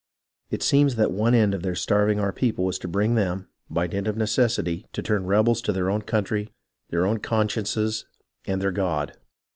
"... It seems that one end of their starving our people was to bring them, by dint of necessity, to turn* rebels to their own country, their own consciences, and their God.